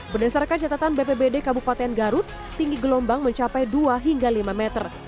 berdasarkan catatan bpbd kabupaten garut tinggi gelombang mencapai dua hingga lima meter